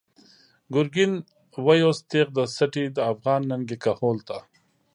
“گرگین” ویوست تیغ د سټی، د افغان ننگی کهول ته